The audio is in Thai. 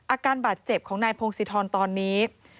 อาการบาดเจ็บของนายพงศิธรตอนนี้